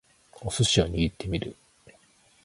お寿司を握ってみる